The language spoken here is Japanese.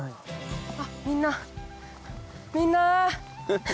あっみんなみんな！